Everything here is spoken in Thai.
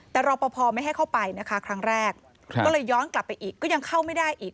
แต่รอปภไม่ให้เข้าไปนะคะครั้งแรกก็เลยย้อนกลับไปอีกก็ยังเข้าไม่ได้อีก